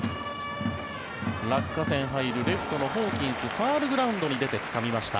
落下点入るレフトのホーキンスファウルグラウンドに出てつかみました。